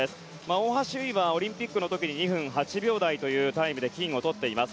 大橋悠依はオリンピックの時に２分８秒台というタイムで金を取っています。